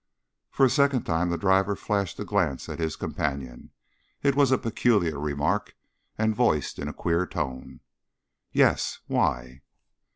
For a second time the driver flashed a glance at his companion. It was a peculiar remark and voiced in a queer tone. "Yes? Why?"